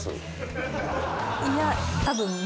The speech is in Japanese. いや多分。